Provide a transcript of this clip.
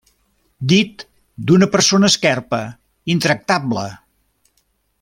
Dit d'una persona esquerpa, intractable.